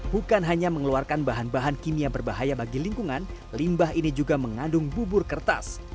bukan hanya mengeluarkan bahan bahan kimia berbahaya bagi lingkungan limbah ini juga mengandung bubur kertas